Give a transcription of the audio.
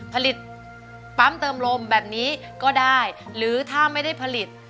ผลิตปั๊มเติมลมแบบนี้ก็ได้หรือถ้าไม่ได้ผลิต